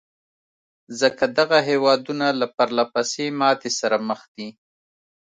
ځکه دغه هېوادونه له پرلهپسې ماتې سره مخ دي.